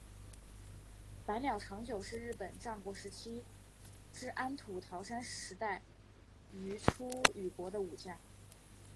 白鸟长久是日本战国时代至安土桃山时代于出羽国的武将。